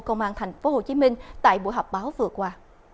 công an tp hcm tại buổi họp báo vừa qua